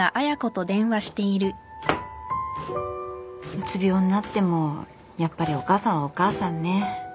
うつ病になってもやっぱりお母さんはお母さんね。